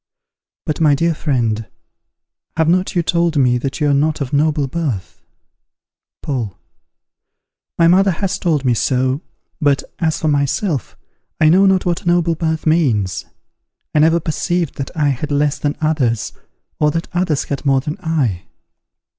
_ But, my dear friend, have not you told me that you are not of noble birth? Paul. My mother has told me so; but, as for myself, I know not what noble birth means. I never perceived that I had less than others, or that others had more than I.